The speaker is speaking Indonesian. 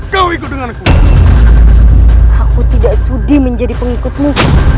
kau ikut denganku aku tidak sudi menjadi pengikutmu